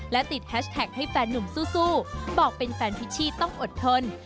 และติดแฮชแท็กให้แฟนนุ่มสู้บอกเป็นแฟนพิชชี่ต้องอดทน